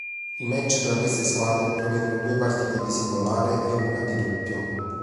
I match tra queste squadre prevedono due partite di singolare e una di doppio.